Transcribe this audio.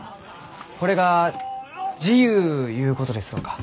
これが自由ゆうことですろうか？